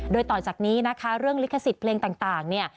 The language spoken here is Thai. โดยต่อจากนี้นะคะเรื่องลิขสิทธิ์เพลงต่างเนี่ย